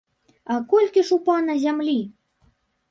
А колькі ж у пана зямлі?